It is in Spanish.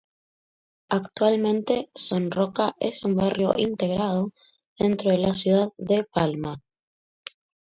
Actualmente Son Roca es un barrio integrado dentro de la ciudad de Palma.